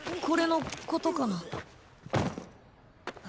これのことかな？